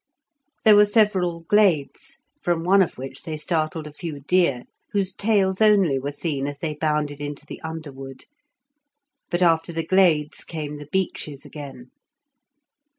There were several glades, from one of which they startled a few deer, whose tails only were seen as they bounded into the underwood, but after the glades came the beeches again.